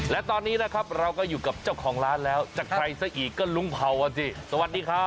และตอนนี้นะครับเราก็อยู่กับเจ้าของร้านแล้วจากใครซะอีกก็ลุงเผากันสิสวัสดีครับ